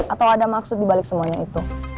atau ada maksud dibalik semuanya itu